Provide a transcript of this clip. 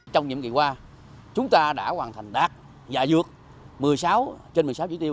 trong nhiệm kỳ qua chúng ta đã hoàn thành đạt và vượt một mươi sáu trên một mươi sáu chỉ tiêu